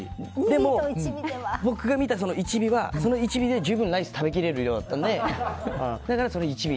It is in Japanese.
でも、僕が見た１尾はその１尾で十分ライス食べきれる量だったので。